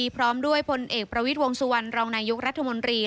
พร้อมด้วยพลเอกประวิทย์วงสุวรรณรองนายกรัฐมนตรี